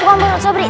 bukan berkat sobri